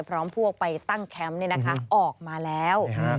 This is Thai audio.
พร้อมพวกไปตั้งแคมป์ออกมาแล้ว